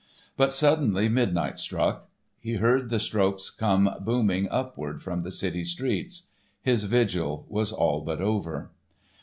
But suddenly midnight struck. He heard the strokes come booming upward from the city streets. His vigil was all but over.